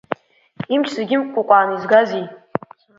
Имч зегьы имыкәкәааны изгазеи?